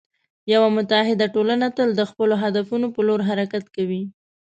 یوه متعهد ټولنه تل د خپلو هدفونو په لور حرکت کوي.